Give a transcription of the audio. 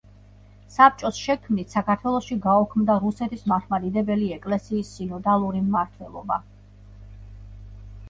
საბჭოს შექმნით, საქართველოში გაუქმდა რუსეთის მართლმადიდებელი ეკლესიის სინოდალური მმართველობა.